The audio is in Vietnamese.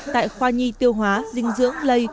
tại khoa nhi tiêu hóa dinh dưỡng lây